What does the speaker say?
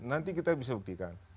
nanti kita bisa buktikan